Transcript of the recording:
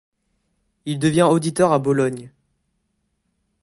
Il devient auditeur à Bologne.